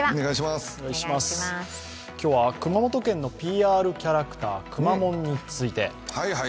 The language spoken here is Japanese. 今日は熊本県のＰＲキャラクターくまモンについて。